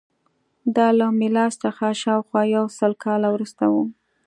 دا له میلاد څخه شاوخوا یو سل کاله وروسته وه